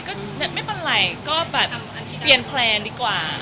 ก็ไม่เป็นไรก็แบบเปลี่ยนแพลนดีกว่า